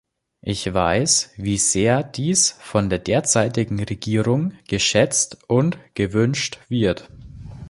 Ich weiß, wie sehr dies von der derzeitigen Regierung geschätzt und gewünscht wird.